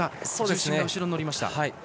重心が後ろに乗りました。